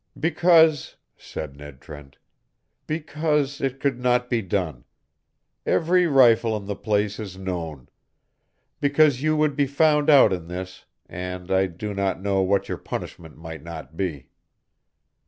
"Because," said Ned Trent "because it could not be done. Every rifle in the place is known. Because you would be found out in this, and I do not know what your punishment might not be."